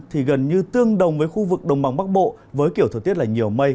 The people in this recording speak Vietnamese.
thì gần như tương đồng với khu vực đông bắc bộ với kiểu thổ tiết là nhiều mây